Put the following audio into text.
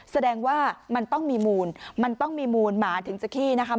แสดงว่ามันต้องมีมูลมันต้องมีมูลหมาถึงจะขี้นะคะ